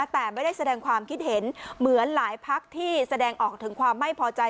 แต่ไม่ได้แสดงความคิดเห็นเหมือนหลายพักที่แสดงออกถึงความไม่พอใจ